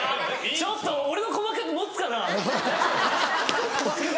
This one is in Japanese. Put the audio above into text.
⁉ちょっと俺の鼓膜持つかな？